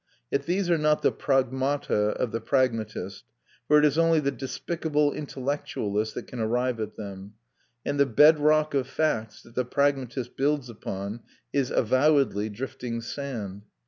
Yet these are not the pragmata of the pragmatist, for it is only the despicable intellectualist that can arrive at them; and the bed rock of facts that the pragmatist builds upon is avowedly drifting sand.